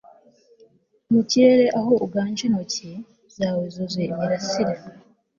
Mu kirere aho uganje intoki zawe zuzuye imirasire